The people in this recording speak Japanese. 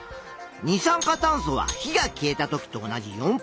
二酸化炭素は火が消えた時と同じ４％。